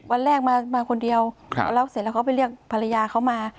วันแรกมาคนเดียวแล้วเสร็จแล้วเขาไปเรียกภรรยาเขามา